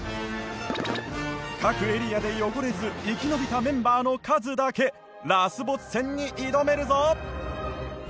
各エリアで汚れず生き延びたメンバーの数だけラスボス戦に挑めるぞ！